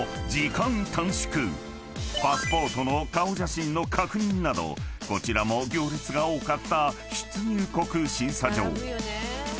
［パスポートの顔写真の確認などこちらも行列が多かった出入国審査場］